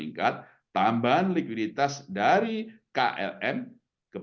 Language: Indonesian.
penyelesaian kredit yang terus meningkat